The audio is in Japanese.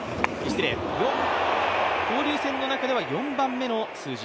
交流戦の中では４番目の数字。